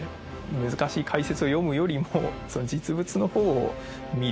難しい解説を読むよりも実物のほうを見る。